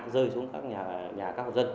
rơi xuống các nhà các dân